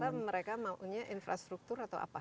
rata rata mereka maunya infrastruktur atau apa